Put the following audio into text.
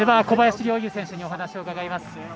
小林陵侑選手にお話を伺います。